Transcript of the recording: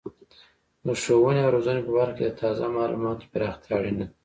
د ښوونې او روزنې په برخه کې د تازه معلوماتو پراختیا اړینه ده.